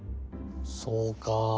そうか。